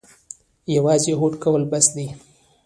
یوازې هوډ کول بس دي؟